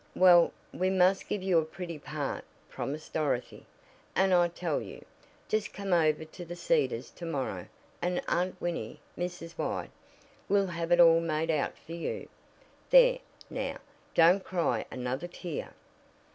"Well, we must give you a pretty part," promised Dorothy. "And I tell you, just come over to The Cedars to morrow and Aunt Winnie Mrs. White will have it all made out for you. There, now, don't cry another tear.